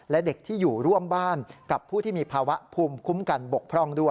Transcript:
และเด็กที่อยู่ร่วมบ้านกับผู้ที่มีภาวะภูมิคุ้มกันบกพร่องด้วย